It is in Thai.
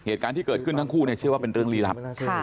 เหตุการณ์ที่เกิดขึ้นทั้งคู่เชื่อว่าเป็นเรื่องลี้ลับ